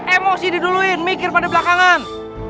emosi diduluin mikir pada belakangan